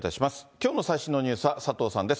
きょうの最新のニュースは佐藤さんです。